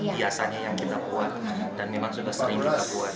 biasanya yang kita buat dan memang sudah sering kita buat